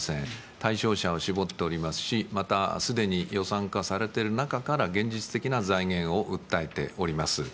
対象者を絞っておりますし、既に予算化された中から、現実的な財源を訴えております。